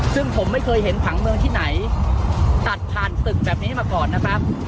ซึ่งผมไม่เคยเห็นผังเมืองที่ไหนตัดผ่านตึกแบบนี้มาก่อนนะครับ